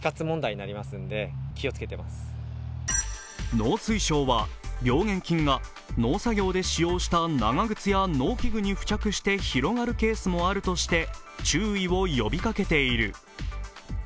農水省は病原菌が農作業で使用した長靴や農機具に付着して広がるケースもあるとして注意を呼びかけている。